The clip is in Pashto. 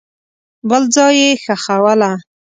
بل ځای یې ښخوله.